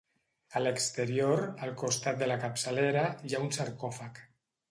A l'exterior, al costat de la capçalera, hi ha un sarcòfag.